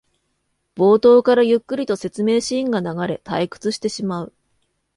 冒頭からゆっくりと説明シーンが流れ退屈してしまう